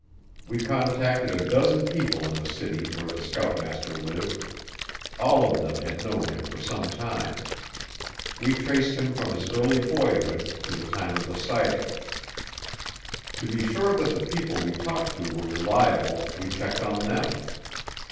We contacted a dozen people in the city where the scoutmaster lived. All of them had known him for some time. We traced him from his early boyhood to the time of the sighting. To be sure that the people we talked to were reliable, we checked on them.